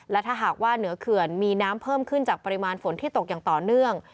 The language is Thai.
และถ้าหากว่าเหนือเขื่อนมีน้ำเพิ่มขึ้นจากปริมาณฝนที่ตกอย่างต่อเนื่อง